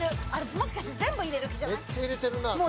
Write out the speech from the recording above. もしかして全部入れる気じゃない？